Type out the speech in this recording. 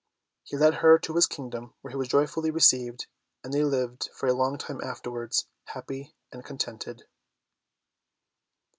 He led her to his kingdom where he was joyfully received, and they lived for a long time afterwards, happy and contented.